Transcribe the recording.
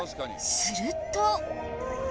すると。